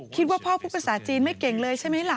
พ่อพูดภาษาจีนไม่เก่งเลยใช่ไหมล่ะ